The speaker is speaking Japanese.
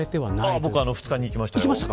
僕は２日に行きましたよ。